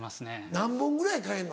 何本ぐらい替えんの？